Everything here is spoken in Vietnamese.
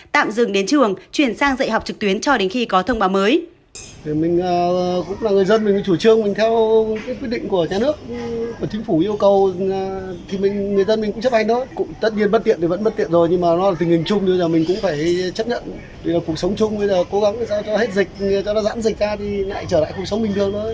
tạm dừng đến trường chuyển sang dạy học trực tuyến cho đến khi có thông báo mới